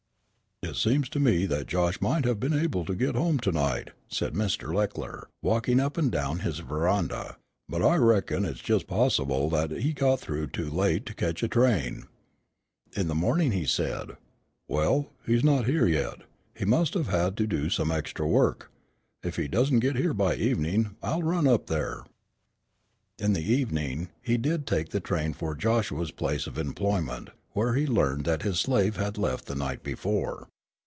"It seems to me that Josh might have been able to get home to night," said Mr. Leckler, walking up and down his veranda; "but I reckon it's just possible that he got through too late to catch a train." In the morning he said: "Well, he's not here yet; he must have had to do some extra work. If he doesn't get here by evening, I'll run up there." In the evening, he did take the train for Joshua's place of employment, where he learned that his slave had left the night before.